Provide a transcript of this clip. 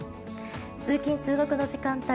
通勤・通学の時間帯